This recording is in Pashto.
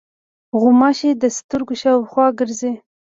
غوماشې د سترګو شاوخوا ګرځي.